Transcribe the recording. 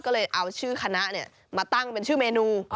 ก็เลยเอาชื่อคณะมาตั้งเป็นชื่อเมนู